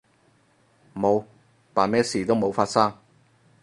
冇，扮咩事都冇發生